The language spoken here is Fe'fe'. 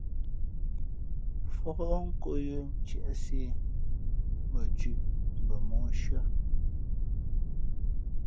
Fóh nkō yə̌ ntiēʼsē, mbα thʉ̄ʼ mbα móhshʉ̄ᾱ.